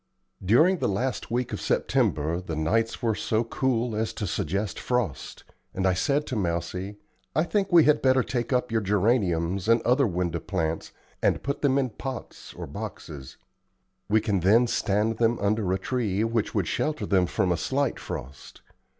During the last week of September the nights were so cool as to suggest frost, and I said to Mousie: "I think we had better take up your geraniums and other window plants, and put them in pots or boxes. We can then stand them under a tree which would shelter them from a slight frost.